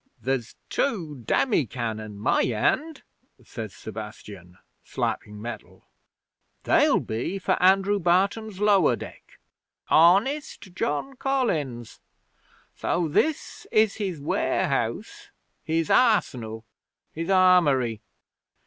'"There's two demi cannon my end," says Sebastian, slapping metal. "They'll be for Andrew Barton's lower deck. Honest honest John Collins! So this is his warehouse, his arsenal, his armoury!